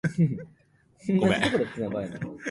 長野県南牧村